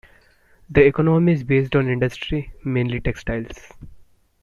The economy is based on industry, mainly textiles.